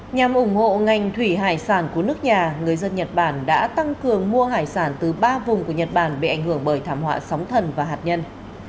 nhằm ủng hộ ngành thủy hải sản của nước nhà người dân nhật bản đã tăng cường mua hải sản từ ba vùng của nhật bản bị ảnh hưởng bởi thảm họa sóng thần và hạt nhân